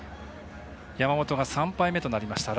山本が３敗目となりました。